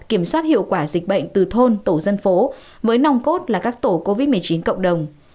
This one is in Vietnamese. kiểm soát hiệu quả dịch bệnh từ thôn tổ dân phố với nồng cốt là các tổ covid một mươi chín cộng đồng